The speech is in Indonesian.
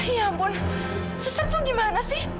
ya ampun suster itu gimana sih